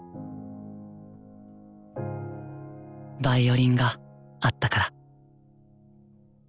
ヴァイオリンがあったから。